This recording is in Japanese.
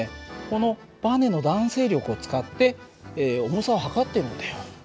このばねの弾性力を使って重さを測っているんだよ。